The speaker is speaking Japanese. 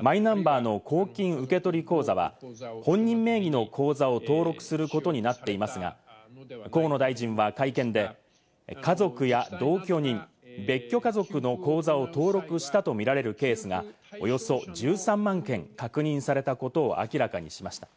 マイナンバーの公金受取口座は本人名義の口座を登録することになっていますが、河野大臣は会見で、家族や同居人、別居家族の口座を登録したとみられるケースがおよそ１３万件確認されたことを明らかにしました。